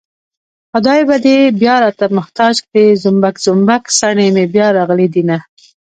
خدای به دې بيا راته محتاج کړي زومبک زومبک څڼې مې بيا راغلي دينه